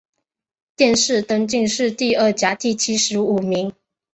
殿试登进士第二甲第七十五名。